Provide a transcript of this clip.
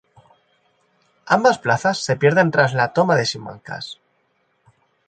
Ambas plazas se pierden tras la toma de Simancas.